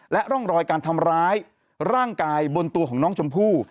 ร่องรอยการทำร้ายร่างกายบนตัวของน้องชมพู่